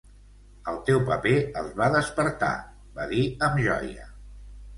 "El teu paper els va despertar", va dir amb joia.